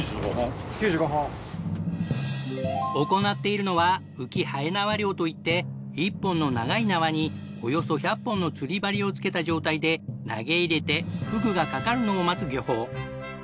行っているのは浮きはえ縄漁といって１本の長い縄におよそ１００本の釣り針を付けた状態で投げ入れてフグがかかるのを待つ漁法。